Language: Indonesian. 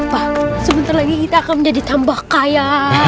pak sebentar lagi kita akan menjadi tambah kaya